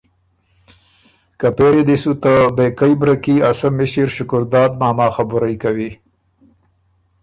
که پېری دی سو ته بېکئ بره کي ا سۀ مِݭر شکرداد ماما خبُرئ کوی